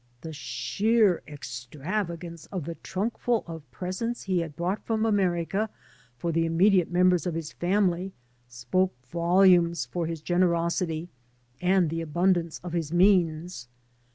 The sheer extravagance of that trunkfu] of presents he had brought from America for the immediate members of his family spoke voliunes for his generosity and the abundance of his means.